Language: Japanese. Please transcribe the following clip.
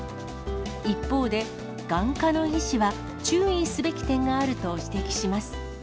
一方で、眼科の医師は、注意すべき点があると指摘します。